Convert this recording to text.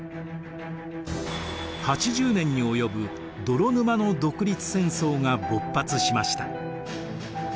８０年に及ぶ泥沼の独立戦争が勃発しました。